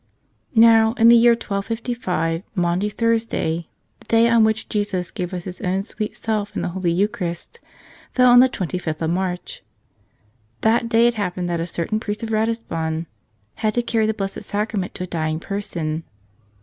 Now, in the year 1255 Maundy Thursday, the day on which Jesus gave us His own sweet Self in the Holy Eucharist, fell on the twenty fifth of March. That day it happened that a certain priest of Ratisbon had to carry the Blessed Sacrament to a dying person.